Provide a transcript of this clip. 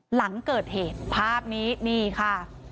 หลังเกิดเหตุภาพนี้นี่ค่ะ